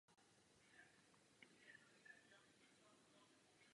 Page se ale nedopatřením do Jacka zamiluje.